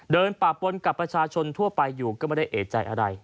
ป่าปนกับประชาชนทั่วไปอยู่ก็ไม่ได้เอกใจอะไร